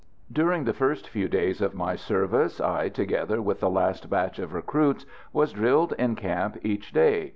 During the first few days of my service I, together with the last batch of recruits, was drilled in camp each day.